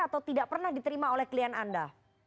atau tidak pernah diterima oleh klien anda